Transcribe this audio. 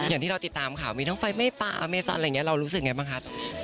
อย่างที่เราติดตามข่าวมีทั้งไฟไม่ปลาอเมซอนอะไรอย่างนี้เรารู้สึกไงบ้างคะ